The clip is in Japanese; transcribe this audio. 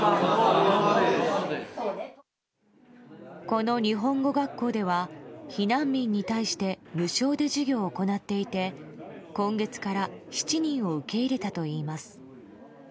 この日本語学校では避難民に対して無償で授業を行っていて今月から７人を受け入れたといいます。